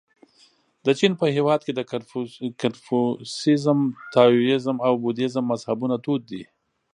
د چین په هېواد کې د کنفوسیزم، تائویزم او بودیزم مذهبونه دود دي.